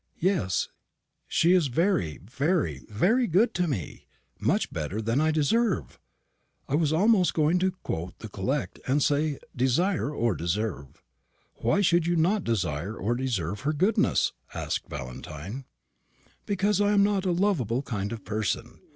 Yes, she is very, very, very good to me; much better than I deserve. I was almost going to quote the collect, and say 'desire or deserve.'" "Why should you not desire or deserve her goodness?" asked Valentine. "Because I am not a loveable kind of person.